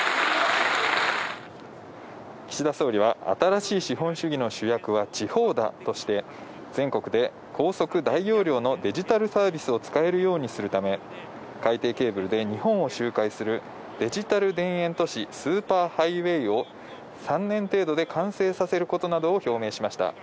岸田総理は、新しい資本主義の主役は地方だとして、全国で高速大容量のデジタルサービスを使えるようにするため、海底ケーブルで日本を周回するデジタル田園都市スーパーハイウェイを、３年程度で完成させることなどを表明しました。